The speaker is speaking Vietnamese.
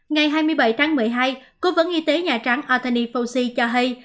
ngày hai mươi bảy tháng một mươi hai cố vấn y tế nhà trắng atheny fauci cho hay